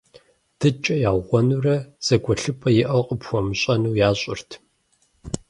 ДыдкӀэ яугъуэнурэ, зэгуэлъыпӀэ иӀэу къыпхуэмыщӀэну, ящӀырт.